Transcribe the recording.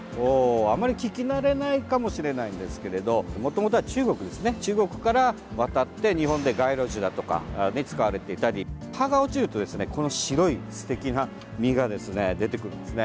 あまり聞きなれないかもしれないんですけれどもともとは中国から渡って日本で街路樹だとかに使われていたり葉が落ちると、白いすてきな実が出てくるんですね。